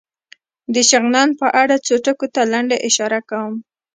د شغنان په اړه څو ټکو ته لنډه اشاره کوم.